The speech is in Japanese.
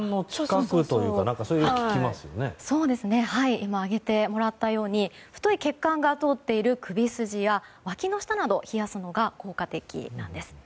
今、挙げてもらったように太い血管が通っている首筋や、わきの下などを冷やすのが効果的なんです。